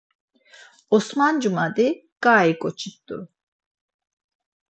Osman cumadi ǩai ǩoçi rt̆u.